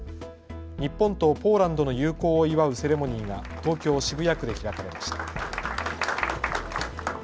日本とポーランドの友好を祝うセレモニーが東京渋谷区で開かれました。